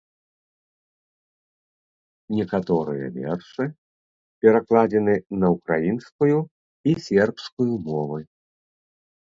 Некаторыя вершы перакладзены на украінскую і сербскую мовы.